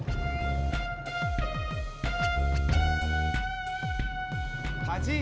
bercuma gua tiap hari jogging